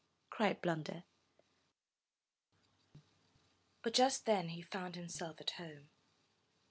cried Blunder; but just then he found himself at home.